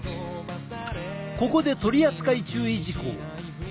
ここで取扱注意事項！